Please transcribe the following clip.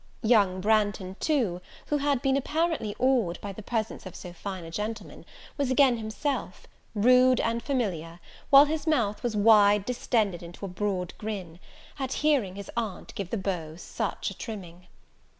Young Branghton, too, who had been apparently awed by the presence of so fine a gentleman, was again himself, rude and familiar: while his mouth was wide distended into a broad grin, at hearing his aunt give the beau such a trimming.